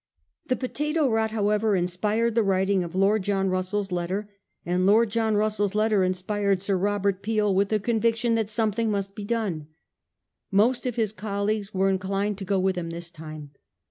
The potato rot, however, inspired the writing of Lord John Russell's letter ; and Lord John Russell's letter inspired Sir Robert Peel with the conviction that something must be done. Most of his colleagues were inclined to go with him this time.